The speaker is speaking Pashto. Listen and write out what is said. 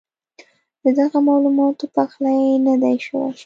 ددغه معلوماتو پخلی نۀ دی شوی